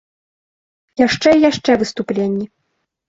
Яшчэ і яшчэ выступленні.